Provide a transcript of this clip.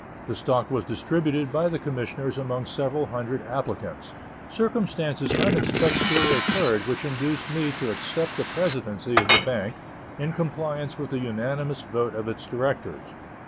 The stock was distributed by the Commissioners among several hundred applicants. Circumstances unexpectedly occurred which induced me to accept the presidency of the bank, in compliance with the unanimous vote of its directors.